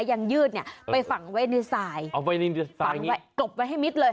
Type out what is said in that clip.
ยางยืดเนี้ยไปฝังไว้ในทรายเอาไว้ในทรายนี้ฝังไว้กบไว้ให้มิดเลย